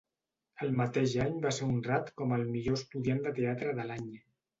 El mateix any va ser honrat com el millor estudiant de teatre de l'any.